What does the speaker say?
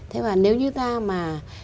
thế và nếu như ta mà